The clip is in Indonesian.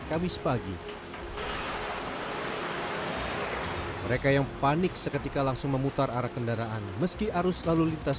kamis pagi mereka yang panik seketika langsung memutar arah kendaraan meski arus lalu lintas